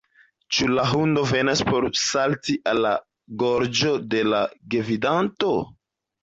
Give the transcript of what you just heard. Ĉu la hundo venas por salti al la gorĝo de la gvidanto?